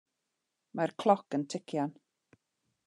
Mae'r cloc yn tician.